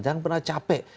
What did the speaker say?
jangan pernah capek